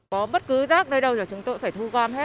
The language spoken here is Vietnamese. có bất cứ rác thải rác thải rác thải rác thải rác thải rác thải